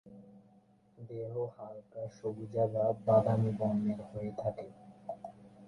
দেহ হালকা সবুজাভ-বাদামী বর্ণের হয়ে থাকে।